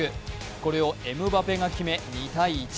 これをエムバペが決め、２−１。